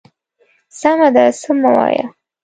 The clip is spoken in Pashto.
_سمه ده، څه مه وايه.